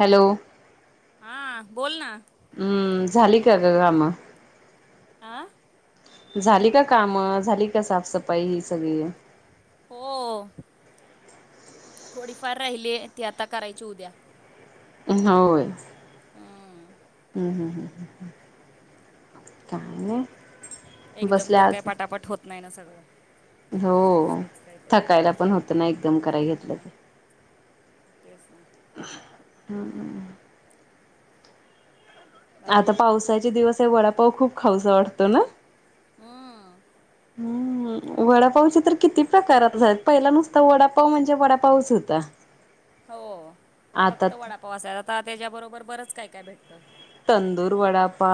Hello. हा बोल ना. हम्म, झाली का गं कामं? आं. झाली का कामं झाली का साफसफाई ही सगळी. हो, थोडी फार राहिली ते आता करायची उद्या. होय. हम्म ह ह ह, काय नाय. एकदम तर काय पटापट होत नाही ना सगळं. हो, मध्येच काहीतरी थकायला मध्येच पण होत ना काहीतरी एकदम कराय घेतलं. हम्म तेच ना. हम्म ह. आता बाकी तू पावसाचे दिवस हे वडापाव खूप खाऊसा वाटतो ना. हम्म. हम्म. वडापावच्या तर किती प्रकारात झाल्यात पहिला नुसता वडापाव म्हणजे वडापावच हुत्या. हो फक्त वडापावस आहे आता त्याच्याबरोबर बरंच काय काय भेटतं. तंदूर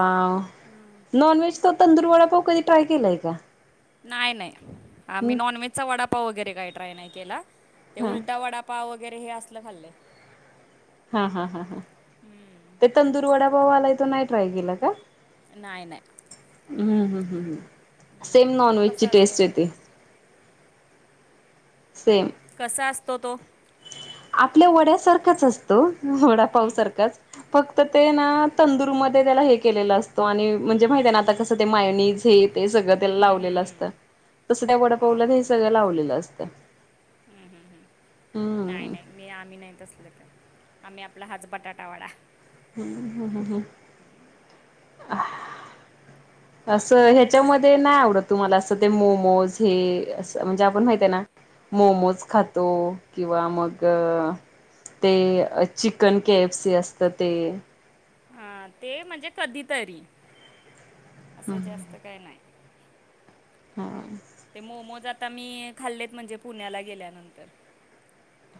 प हम्म. नॉनव्हेज तंदूर कधी ट्राय केलाय का? नाही नाय आम्ही हम्म नॉनव्हेजचा वडापाव वगैरे काय ट्राय नाही केला ते हां उलटा वडापा पाव वगैरे हे असलं खाल्लय हा हा हा ह, हम्म ते तंदुर वडा पाव आलाय तो नाही ट्राय केला का? नाय नाय हम्म हम् हम्म ह, सेम तो नॉनव्हेजची कसा असतो टेस्ट येते सेम कसा असतो तो? आपल्या वड्यासारखाच असतो वडापावसारखाच फक्त ते ना तंदुरमध्ये त्याला हे केलेलं असतो आणि म्हणजे माहित आहे ना आता कस ते मायनीज हे ते सगळं त्येला लावलेलं असतं, तसं त्या वडपाहला हे सगळं लावलेलं असतं. हम हम हम्मं नाही हम्म. नाही. मी आम्ही नाही तसलं काय, आम्ही आपला हाच बटाटा वडा. हम्म हम् ह ह. असं ह्याच्यामध्ये नाही आवडत तुम्हाला असं ते मोमोज हे आपण माहित आहे ना मोमोज खातो किंवा मग ते चिकन के एफ सी असत ते. हा ते म्हणजे कधी तरी, असं जास्त काय नाय, ते मोमोजात आता मी खाल्लेत म्हणजे पुण्याला गेल्यानंतर.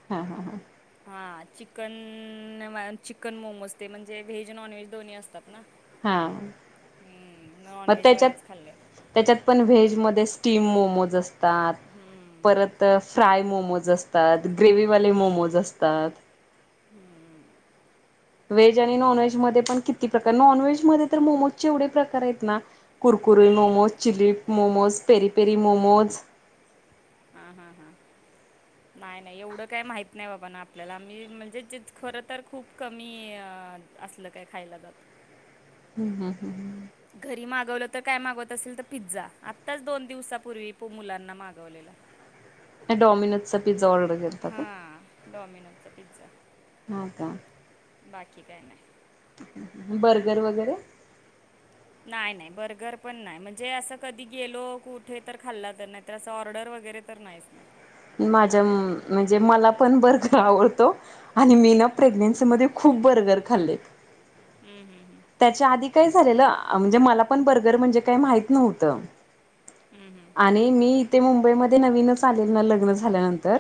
हा हा हा हा चिकन, चिकन मोमोज ते म्हणजे व्हेज, नॉनव्हेज दोन्ही असतात ना. हा, हम्म, म त्येच्यात नॉनव्हेजवालेच खाल्ले त्येच्यात पण व्हेज मध्ये स्टीम मोमोज असतात, हम्म, परत फ्राय मोमोज असतात, ग्रेवीवाले मोमोज असतात. हम्म. व्हेज आणि नॉनव्हेज मध्ये पण किती प्रकार नॉनव्हेज मध्ये तर मोमोजचे एवढे प्रकार आहेत ना Kurkure momos, chilli momos, peri peri momos. हा हा हा. [unintelligible] नाही नाही एवढं काही माहीत नाही बाबा ना आपल्याला मि म्हणजे जे खरं तर खूप कमीय असलं काय खायला जातं. हम् हम हम ह. घरी मागवलं तर काय मागवत असेल तर पिझ्झा, आत्ताच दोन दिवसापूर्वी मुलांना मागवलेला. डोमिनोजचा पिझा ऑडर केला. हा डॉमिनोजचा पिझ्झा. हो का. बाकी काय नाय बर्गर वगैरे? नाय नाय बर्गर पण नाय म्हणजे असं कधी गेलो कुठे तर खाल्ला तर नाहीतर त्यासं ऑर्डर वगैरे तर नाहीच नाही. माझ्या मं म्हणजे मला पण बर्गर आवडतो. आणि मी ना प्रेग्नेन्सीमध्ये खूप बर्गर खाल्लेत. हम् हम् हम्. त्याच्या आधी काही झालेलं म्हणजे मला पण बर्गर म्हणजे काय माहित नव्हतं. हम्म हम्. आणि मी इथे मुंबईमध्ये नवीनच आलेल ना लग्न झाल्यानंतर.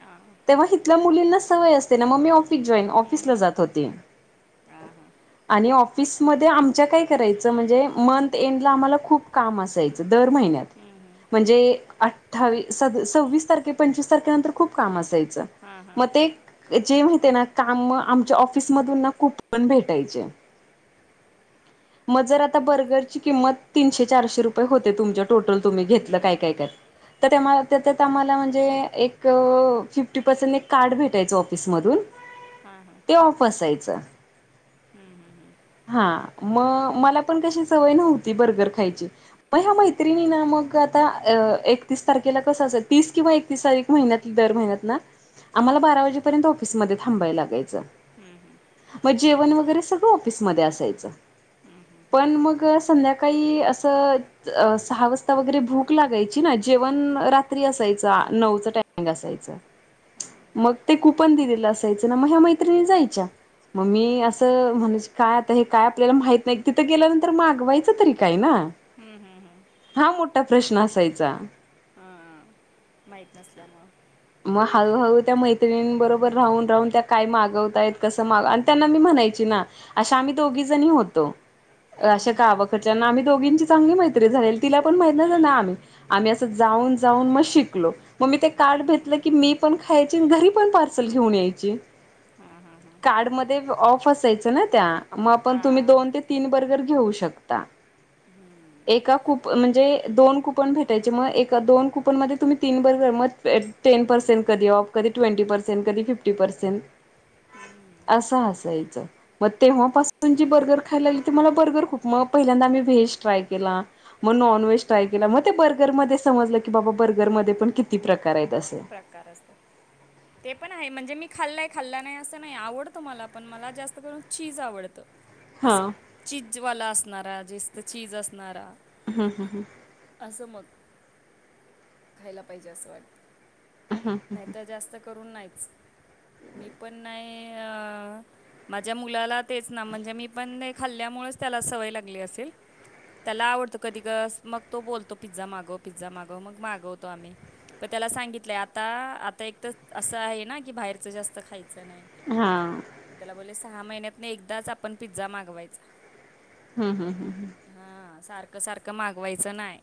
आ्. तेव्हा हिथल्या मुलींना सवय असते ना मग मी ऑफिस जॉईन ऑफिसला जात होते. हा हा. आणि ऑफिसमध्ये आमच्या काय करायचं म्हणजे मन. एंडला आम्हाला खूप काम असायचं दर महिन्यात म्हणजे. ठावीस सद सव्वीस तारखे पंचवीस तारखेनंतर खूप काम असायचं हां, हां. मग ते. जे माहिती आहे ना काम आमच्या ऑफिसमधून ना कुप ण भेटायचे. मग जर आता बर्गरची किंमत तीनशे चारशे रुपये होते तुमच्या टोटल तुम्ही हम्म, घेतलं काय हम्म. काय काय. तर त्यात आम्हाला त्या त्या त्या आम्हाला म्हणजे एक फिफ्टी पर्सेंट एक कार्ड भेटायचं. ईस मधून. हा हा. ते ऑफ असायचं. हम हम हम. हा म मला पण कशी सवय नव्हती बर्गर खायची. मग ह्या मैत्रिणी ना मग आता अ एकतीस तारखेला कसं आसायच तीस किंवा एकतीस तारीख. महिन्यात दर महिन्यात ना आम्हाला बारा वाजेपर्यंत ऑफिसमध्ये थांबायला लागाय. मग जेवण वगैरे सगळं ऑफिसमध्ये असायचं. पण मग संध्याकाळी असं. अ सहा वाजता वगैरे भूक लागायची ना जेवण रात्री असायचं आ नऊचं टायमिंग असायचं. मग ते कुपन दिलेलं असायचं ना मग ह्या मैत्रिणी जायच्या. मग मी असं म्हण. काय आता हे काय आपल्याला माहित नाही तिथं गेल्यानंतर आठवायचं तरी काय ना. हम् हम्म हम्म. हा मोठा प्रश्न असायचा. हा हम. माहित नसल्यामुळं. मग हळूहळू त्या मैत्रिनबरोबर राहून राहून त्या काय मागवताय कसं माग अन त्यांना मी म्हणायची ना. अश्या आम्ही दोघी जणीं होतो हम्म, अश्या हम्म. गावाक. त्याच्या न आम्ही दोघेची चांगली मैत्रीन झालेलती तिला पण माहित नाही ना आम्ही. आम्ही असं जाऊन जाऊन मग शिकलो मग मी ते कार्ड भित. म्ह की मी पण खायची आणि घरी पण पार्सल घेऊन यायची. कार्ड मध्ये ऑफ असायच ना त्या मग आपण तुम्ही हां दोन ते. तीन बर्गर घेऊ शकता. हम्म. एका कुप म्हणजे दोन कुपन भेटायचे मग एक दोन कुपन मध्ये तुम्ही तीन बर्गर म. [inaudible] टेन परर्सेंन कधी ऑफ कधी ट्वेंटी परर्सेंन कधी फिफ्टी परर्सेंन. असं हसायचं. म तेव्हापासून जी बर्गर खाय लागली त मला बर्गर खूप म पहिल्यांदा आम्ही व्हेज ट्राय केला. म नॉन व्हेज ट्राय केला मग ते बर्गरमध्ये समजलं की बाबा बर्गरमध्ये पण किती प्रकार आहेत अस. प्रकार असत्यात. [inaudible] ते पण आहे म्हणजे मी खाल्लंय खाल्ला नाही असं नाही आवडतो मला पण मला जास्त करून चीज आवडतं. हा असं चीजंवाला असणारा जेस्त चीज असणारा. हम्म.. हम्म.. हम्म असं मग... खायला पाहिजे असं वाटतं. नाही तर जास्त करून नाहीच, मी पण नाही अ माझ्या मुलाला तेच ना, म्हणजे मी पण खाल्ल्यामुळेच त्याला सवय लागली असेल. त्याला आवडतं कधी कस.. मग तो बोलतो पिझ्झा मागव, पिझ्झा मागव.. मग मागवतो आम्ही. पण त्याला सांगितलंय आता.... आता एक तर असं आहे ना की बाहेरच जास्त खायचं नाही. हा त्याला बोलले सहा महिन्यात न एकदाच आपण पिझ्झा मागवायचा. हम्.. हम्.. हम् हा.. सारखं -सारखं मागवायचं नाही.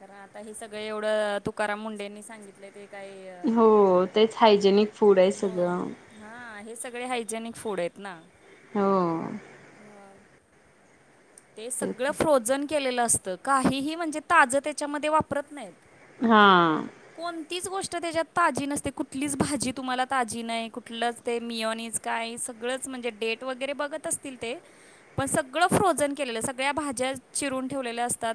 कारण आता हे सगळं एवढं.. तुकाराम मुंडेनी सांगितलंय ते काही हो.. तेच हायजेनिक फूड आहे सगळं. हा.. हे सगळे हायजेनिक फूड आहेत ना. हो मग ते तेच सगळं फ्रोझन केलेलं असतं, काहीही म्हणजे ताजं त्याच्यामध्ये वापरत नाहीत. हा कोणतीच गोष्ट त्याच्यात ताजी नसते, कुठलीच भाजी तुम्हाला ताजी नाही कुठलंच ते मिओनिज काय सगळंच, म्हणजे डेट वगैरे बघत असतील ते... पण सगळं फ्रोजन केलेलं सगळ्या भाज्या चिरून ठेवलेल्या असतात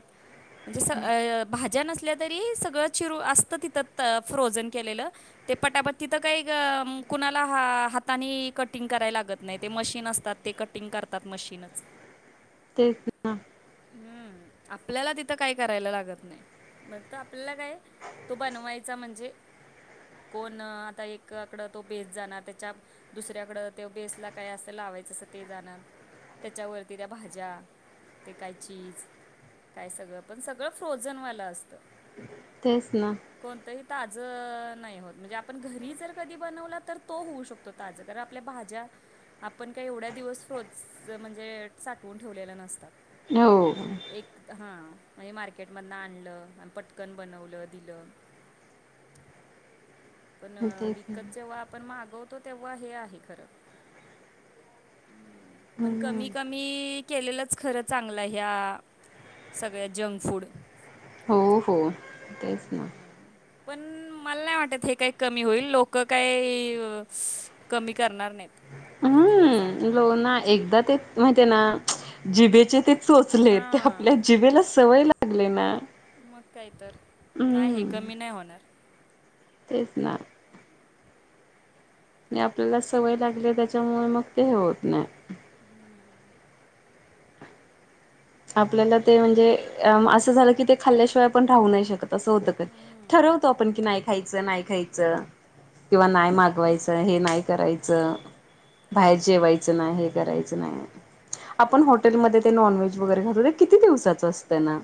म्हणजे अ.. भा.. ज्या नसल्या तरी सगळं चिरू असतं तिथं अ... फ्रोजन केलेलं. ते पटापट्ट तिथं काही ग.. अ... कुणाला हा.. हातानी कटिंग करायला लागत नाही ते मशीन असतात ते क कटिंग करतात मशीनच. तेच ना हम्म... आपल्याला तिथं काही करायला लागत नाही. फक्त आपल्याला काय, तो बनवायचा म्हणजे कोण.. आता एका आकडा तो भेस जाणार त्याच्या दुसऱ्याकड ते बेसला काय असं लावायचं अस ते जाणार, त्याच्यावरती त्या भाज्या, ते काय चीज.. ते काय सगळं, पण सगळं फ्रोझन वालं असतं. तेच ना कोणतंही ताजं... नाही होत म्हणजे आपण घरी जर कधी बनवल तर तो होऊ शकतो. ताज, कारण आपल्या भाज्या.. आपण का एवढ्या दिवस फोज म्हणजे साठवून ठेवलेले नसतात. हो एक, हा.. म्हणजे मार्केटमधन आणलं अन् पटकन बनवलं, दिलं. पण... तेच ना विकत जेव्हा आपण मागवतो तेव्हा हे आहे खरं, पण कमी क मी... केलेलंच खरं चांगलं ह्या.. सगळ्या जंक फूड हो -हो.. तेच ना. पण मला नाही वाटत हे काही कमी होईल लोक काही स..... कमी करणार नाहीत. किती पण सांगा हम्म.. तो ना एकदा ते माहिती आहे ना, च... जिबेचे ते चोचले यत हां आपल्या जीभेला सवय लागली ना. मग काय तर, नाही हे हम्म कमी नाही होणार. तेच ना. आणि आपल्याला सवय लागली त्याच्यामुळे मग ते हे होत नाही. हम्म. आपल्याला ते म्हणजे असं झालं की ते खाल्ल्याशिवाय पण राहू नाही शकत तसं होतं कधी, ठरवतो आपण की नाही खायचं, नाही खायचं. किंवा नाही मागवायचं हे नाही करायचं. बाहेर जेवायचं नाही हे करायचं नाही, आपण हॉटेलमध्ये ते नॉनव्हेज वगैरे खात किती दिवसाच असतंय ना.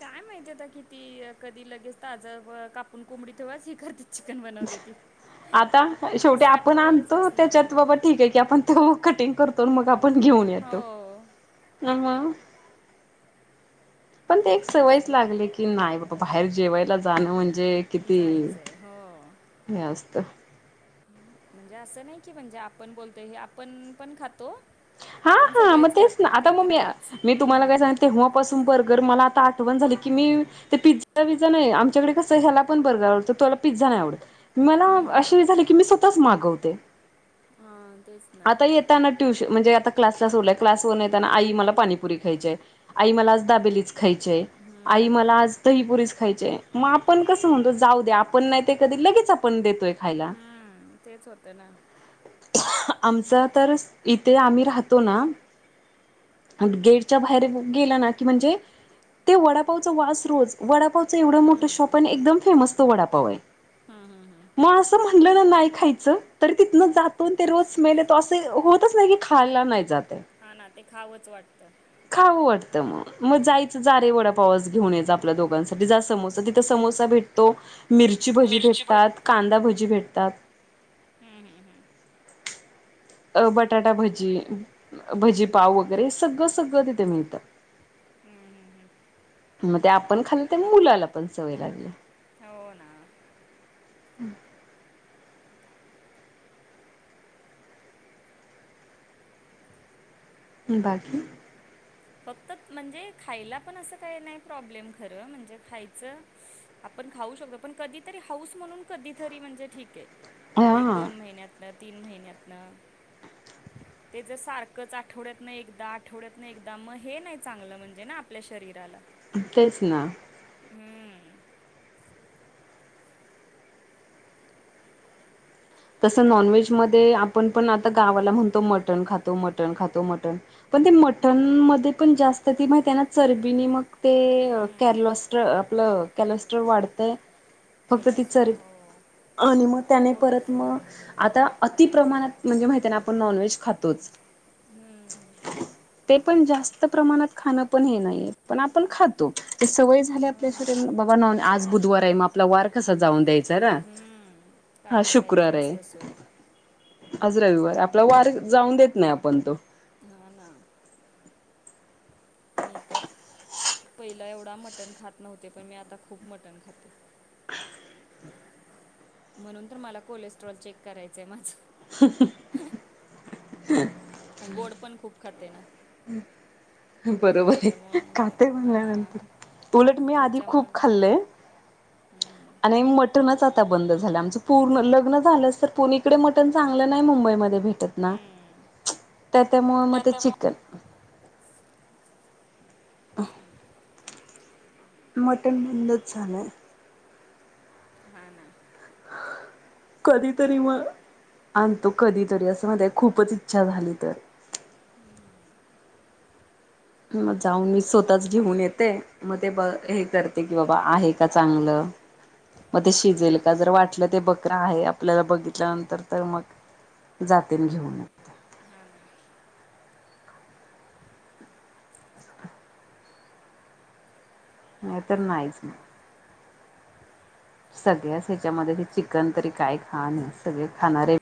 काय माहितीय आता किती कधी लगेच ताज कापून कोंबडी ठेववाच हे करते नव देते आता, शेवटी आपण आणतो असणार ना त्येच्यात बाबा ठीक हाय की आपण तो कटिंग करतो. तर मग आपण घेऊन येत हो. [unintelligible] पण ते एक तेच सवयच ना लागली की नाही बाबा बाहेर जेवायला जाणं म्हणजे किती जायचं आहे हो हे असतं. म्हणजे नाही की म्हणजे आपण बोलतोय, हे आपण पण खातो हा आणि हा मग सगळेच तेच ना खातयत आता ते मग तर मी आहेच. मी हम्म तुम्हाला काय सांग तेव्हापासून बर्गर मला आता आठवण झाली की मी ते पिझ्झा, विझ्झा नाही आमच्याकडे कसं ह्याला पण बर्गर आवडत तुला पिझ्झा नाही आवडत. मला हम्म अशी झाली की मी स्वतःच मागवते. हा तेच ना. त्याना ट्यूश म्हणजे आता क्लासला सोडलय, क्लासवरनं येता ना आई मला पाणीपुरी खायची हाय, आई मला आज दाबेलीच खायचे, आई मला आज दहीपुरीस खायचेय. म आपण कसं म्हणतो जाऊ द्या, आपण नाही ते कधी लगेच आपण देतोय. खायला हम्म तेच होतं ना. आमचा तर इथे आम्ही राहतो ना गेटच्या बाहेर गेलं ना कि म्हणजे ते वडापावच वास रोज, वडापावच एवढं मोठं हम्म शॉप आणि एकदम फेमस तो वडापाव हाय हम्म हम्म ह. मग असं म्हणलं ना नाही खायच, तरी तिथन जात ते रोज म ते अस हो तच नाही की, खायला नाही जाते हा ना ते खावंच वाटतं. खाऊं वाटतं म, मग जायचं जा रे वडापावच घेऊन जा आपल्या दोघांसाठी जा समोसा तिथं समोसा भेट तो, मिरची भज्जी मिरची भजी भेटतात, कांदा भज्जी भेटतात. हम्म हम्म ह. अ बटाटा भज्जी, भज्जी पाव वगैरे हे सगळं सगळं तिथे मिळतं. मग ते आपण खाल्लं तेन मुलाला पण सवय लागली. हो ना. बाकी? फक्त म्हणजे खायला पण असं काय नाही प्रॉब्लेम खरं म्हणजे खायचं आपण खाऊ शकतो पण कधीतरी हाऊस म्हणून कधीतरी म्हणजे ठीक हेय हा एक-दोन महिन्यात आपलं तीन महिन्यातनं ते जर सारखंच आठवड्यातनं एकदा, आठवड्यातनं एक दा मग, हे नाही चांगलं म्हणजे ना आपल्या शरीराला. तेच ना. हम्म.... तसं नॉनव्हेजमध्ये, आपण पण आता गावाला म्हणतो. मटण खातो- मटण खातो मटण.... पण ते मठण... मध्ये पण जास्त ती माहिती आहे ना, चरबी नी मग.... ते.... हम्म कॅर्लोस्टर.... आपलं कॅर्लोस्टर वाढतंय. फक्त केलं ती असतो चर..... हो आणि मग त्याने परत... कॉलेज म... आता अतिप्रमाणात म्हणजे माहिती आहे ना. आपण नॉनव्हेज खातोच. हम्म, ते पण जास्त प्रमाणात खाणं पण हे नाहीये, पण आपण खातो. ते सवय झाली हा आपल्या ना शरिराला.., बाबा नाॅन.... आज बुधवार आ हे. मग आप.. ला वार कसा जाऊन द्यायचा ना. हम्म, काही आज ना काहीतरी शुक्रवार आहे. असतं सुरू आज रविवार आहे. आपला वार जाऊन देत नाही आपण तो. हा.. ना. मी तर. पहिलं एवढा मटण खात नव्हते. पण मी आता खूप मटण खाते. म्हणून तर, मला कोलेस्ट्रॉल चेक करायचंय माझं. [unintelligible] आणि गोड पण खूप खाते ना.. बरोबर आहे, त्याच्यामुळं खाते म्हणलं हां म्हणल्यानंतर. उलट मी आधी खूप त्याच्यामुळं बोललं खाल्लंय. हम्म, [unintelligible] आणि मटणच आता बंद झालंआमचं पूर्ण. लग्न झालंच तर, पूणे इकडे मटण चांगलं नाही मुंबईमध्ये भेट.... त ना. हम्म. त्या- त्यामुळे मग ते चिकन. त्याच्यामुळे [inaudible] मटण बंदच झालंय. हा... ना. कधीतरी म.... आणतो कधीतरी असं.. खूपच इच्छा झाली तर. [inaudible] म... जाऊन मी स्वतःच घेऊन येते. मग ते ब.. हे.... करते, की बाबा आहे का चांगलं. मग ते शिजेल हम्म, का? जर वाटलं, ते बकर आहे.... आपल्याला बघितल्यानंतर तर मग. जातीनं घेऊन म.. हा ना नाही तर, नाही.... सगळ्याच ह्याच्यामध्ये, हे चिकन तरी काय खाणं आहे. सगळे खाणारे....